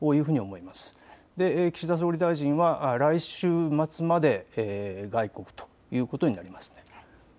それで岸田総理大臣は来週末まで外国ということになります。